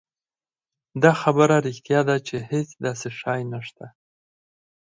دا خبره رښتيا ده چې هېڅ داسې شی نشته.